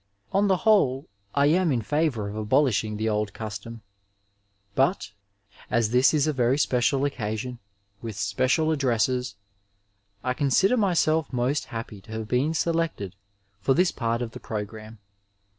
On the whole, I am in &vour of abolishing the old custom, but as this is a very special occasion, witii special addresses, I consider myself most happy to have been selected for this part of the programme.